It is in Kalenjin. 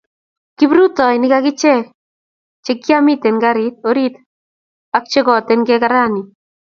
Kiprutoinik agiche chekamitei gariit orit ak kegoten kekarani.